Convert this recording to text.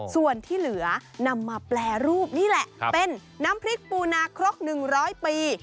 ส่วนที่เหลือนำมาแปรรูปนี่แหละเป็นน้ำพริกปูนาครก๑๐๐ปี